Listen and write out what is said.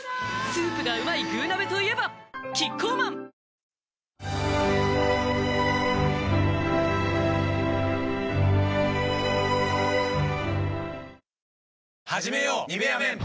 スープがうまい「具鍋」といえばキッコーマンはじめよう「ニベアメン」